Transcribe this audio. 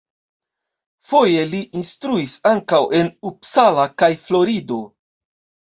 Foje li instruis ankaŭ en Uppsala kaj Florido.